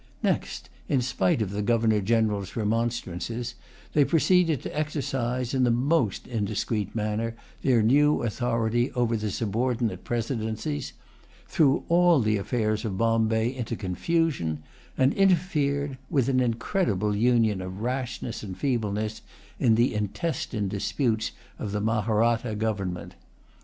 Next, in spite of the Governor General's remonstrances, they proceeded to exercise, in the most indiscreet manner, their new authority over the subordinate presidencies; threw all the affairs of Bombay into confusion; and interfered, with an incredible union of rashness and feebleness, in the intestine disputes of the[Pg 149] Mahratta government.